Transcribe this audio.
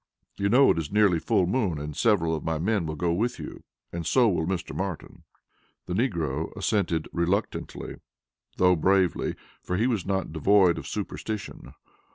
"You know it is nearly full moon and several of my men will go with you, and so will Mr. Martin." The negro assented reluctantly, though bravely, for he was not devoid of superstition.